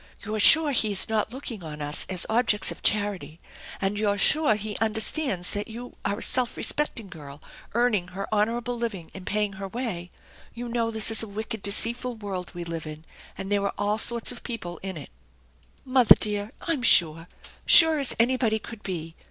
" You're sure he is not looking on us as objects of charity, and you're sure he understands that you are a self respecting girl earning her honorable living and paying her way ? You know this is a wicked, deceitful world we live in, and there are all sorts of people in it/' "Mother dear! I'm sure. Sure as anybody could be.